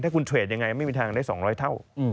คุณเทรดยังไงไม่มีทางได้๒๐๐เท่า